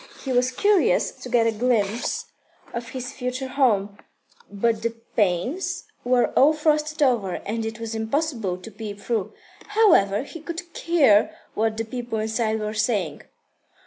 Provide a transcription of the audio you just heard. He was curious to get a glimpse of his future home, but the panes were all frosted over, and it was impossible to peep through. However, he could hear what the people inside were saying.